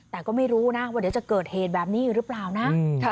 แต่ก็ไม่รู้นะว่าเดี๋ยวจะเกิดเหตุแบบนี้อีกหรือเปล่านะ